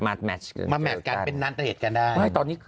มาแมตช์กันมาแมตช์กันเป็นนันเตรียดกันได้